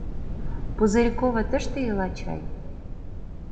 — Пузырькова тыште ила чай?